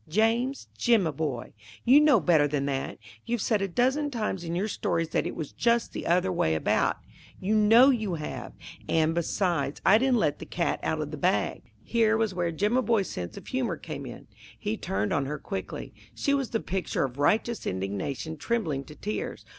"James Jimaboy! You know better than that! You've Said a dozen times in your stories that it was just the other way about you know you have. And, besides, I didn't let the cat out of the bag." Here was where Jimaboy's sense of humor came in. He turned on her quickly. She was the picture of righteous indignation trembling to tears.